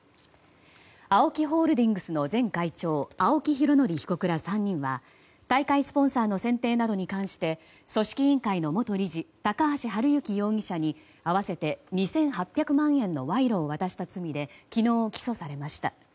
ＡＯＫＩホールディングスの前会長、青木拡憲被告ら３人は大会スポンサーの選定などに関し組織委員会の元理事高橋治之容疑者に合わせて２８００万円の賄賂を渡した罪で昨日、起訴されました。